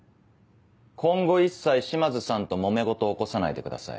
今後一切島津さんともめ事を起こさないでください。